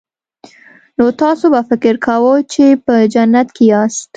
نو تاسو به فکر کاوه چې په جنت کې یاست